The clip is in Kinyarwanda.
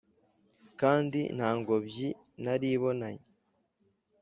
kandi nta ngobyi naribonanye